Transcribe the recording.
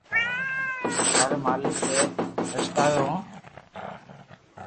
ٿاري مالڪ اي پڄيٽاوي ھو